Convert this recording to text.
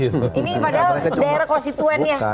ini padahal daerah konstituennya